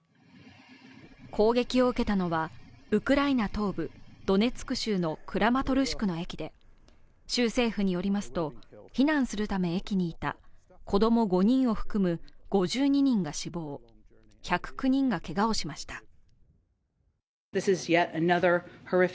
攻撃を受けたのは、ウクライナ東部ドネツク州のクラマトルシクの駅で州政府によりますと避難するため駅にいた子供５人を含む５２人が死亡、１０９人がけがをしました。